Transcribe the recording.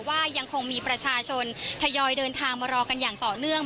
ว่ายังคงมีประชาชนทยอยเดินทางมารอกันอย่างต่อเนื่อง